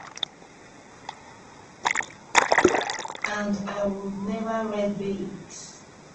And I would never red-bait.